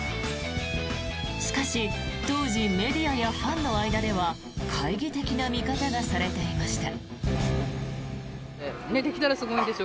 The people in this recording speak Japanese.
しかし、当時メディアやファンの間では懐疑的な見方がされていました。